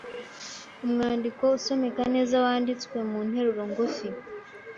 Umwandiko Usomeka neza wanditswe mu nteruro ngufi.